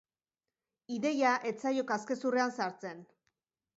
Ideia ez zaio kaskezurrean sartzen.